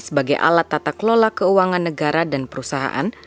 sebagai alat tata kelola keuangan negara dan perusahaan